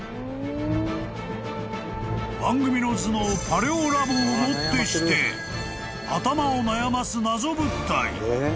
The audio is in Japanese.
［番組の頭脳パレオ・ラボをもってして頭を悩ます謎物体］